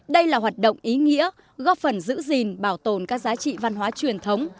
đây là hoạt động ý nghĩa góp phần giữ gìn bảo tồn các giá trị văn hóa truyền thống